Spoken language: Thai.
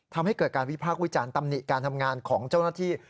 ทำให้เกิดการวิพากษ์วิจารณ์ตำหนิการทำงานของเจ้าหน้าที่